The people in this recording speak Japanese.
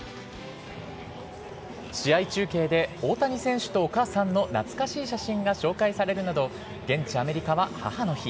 試合中継で、大谷選手とお母さんの懐かしい写真が紹介されるなど、現地、アメリカは母の日。